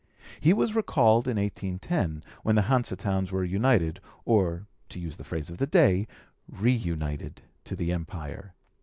He was recalled in 1810, when the Hanse towns were united, or, to use the phrase of the day, re united to the Empire.